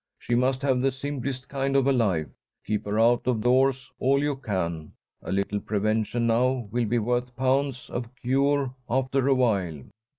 She must have the simplest kind of a life. Keep her out of doors all you can. A little prevention now will be worth pounds of cure after awhile."